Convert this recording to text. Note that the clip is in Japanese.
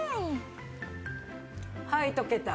はい溶けた。